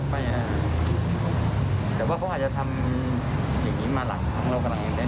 เดี๋ยวได้ตัว